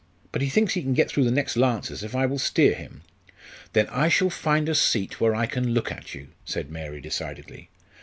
But he thinks he can get through the next Lancers if I will steer him." "Then I shall find a seat where I can look at you," said Mary, decidedly.